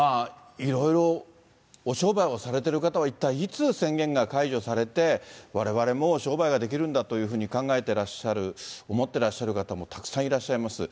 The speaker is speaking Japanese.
いろいろお商売をされている方は、一体いつ宣言が解除されて、われわれも商売ができるんだと考えてらっしゃる、思ってらっしゃる方もたくさんいらっしゃいます。